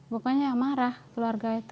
pokoknya marah keluarga itu